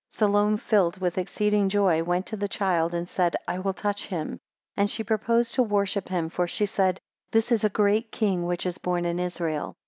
26 Salome filled with exceeding joy, went to the child, and said, I will touch him. 27 And she purposed to worship him, for she said, This is a great king, which is born in Israel.